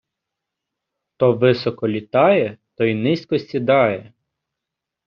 Хто високо літає, той низько сідає.